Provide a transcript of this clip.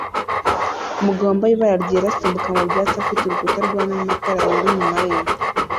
Umugabo wambaye ibara ryera asimbuka mu byatsi afite urukuta rwana matara yera inyuma ye